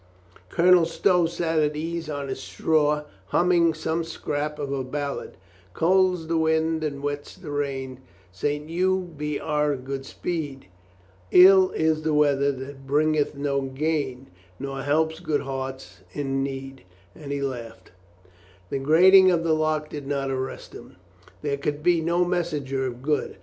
COLONEL STOW IS AWAKED 413 Colonel Stow sat at ease on his straw humming some scrap of a ballad — Cold's the wind, and wet's the rain, St. Hugh be our good speed! Ill is the weather that bringeth no gain, Nor helps good hearts in need. And he laughed. The grating of the lock did not arrest him. There could be no messenger of good.